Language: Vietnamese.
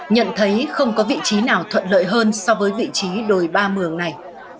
nhận thấy không có vị trí nào thuận lợi hơn so với vị trí đồi ba mường này